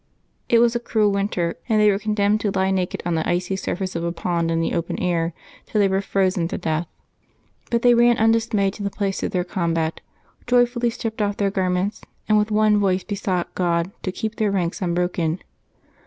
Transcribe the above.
It was a cruel winter, and they were condemned to lie naked on the icy surface of a pond in the open air till they were frozen to death. But they ran undismayed to the place of their combat, joyfully stripped off their garments, and with one voice besought God to keep their ranks unbroken.